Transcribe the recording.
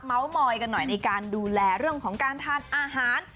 เมาส์มอยกันหน่อยในแบบร่วมดูแลของการทานอาหาร